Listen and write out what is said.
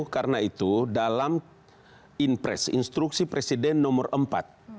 karena itu dalam in press instruksi presiden nomor empat